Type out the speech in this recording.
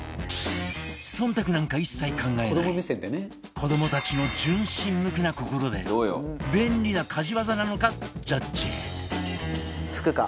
忖度なんか一切考えない子どもたちの純真無垢な心で便利な家事ワザなのかジャッジ